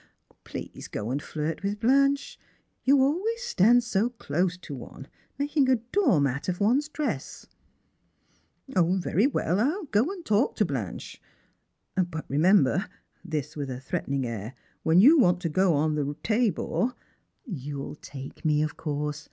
Please, go and flirt with Blanche. You always stand so close to one, making a door mat of one's dress !"" O, very well, I'll go and talk to Blanche. But remember "— this with a threatening air —" when you want to go on the Tabor "" You'll take me, of course.